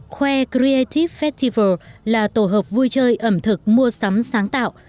khoe greatip festival là tổ hợp vui chơi ẩm thực mua sắm sáng tạo